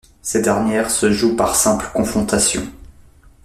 Cette dernière se joue par simple confrontation.